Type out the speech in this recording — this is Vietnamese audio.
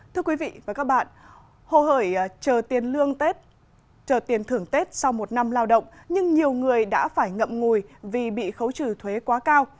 thưa quý vị và các bạn hồ hởi chờ tiền lương tết chờ tiền thưởng tết sau một năm lao động nhưng nhiều người đã phải ngậm ngùi vì bị khấu trừ thuế quá cao